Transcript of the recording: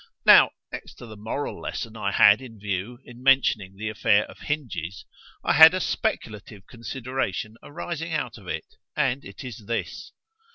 Now next to the moral lesson I had in view in mentioning the affair of hinges, I had a speculative consideration arising out of it, and it is this.